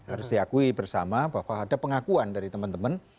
harus diakui bersama bahwa ada pengakuan dari teman teman